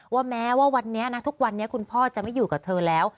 ว่าแม้ว่าวันนี้นะทุกวันนี้คุณพ่อจะไม่อยู่กับเธอแล้ว